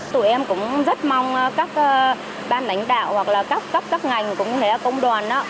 tụi em cũng rất mong các ban đánh đạo hoặc là các ngành cũng như là công đoàn